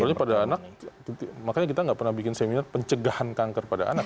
padahal pada anak makanya kita nggak pernah bikin seminar pencegahan kanker pada anak